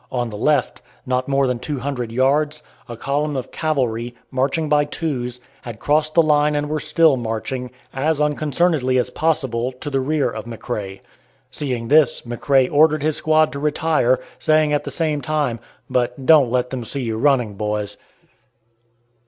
On the left, not more than two hundred yards, a column of cavalry, marching by twos, had crossed the line and were still marching, as unconcernedly as possible, to the rear of McRae. Seeing this, McRae ordered his squad to retire, saying at the same time, "But don't let them see you running, boys!"